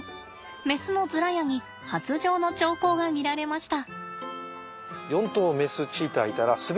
メスのズラヤに発情の兆候が見られました。